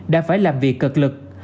đã phải làm việc cực lực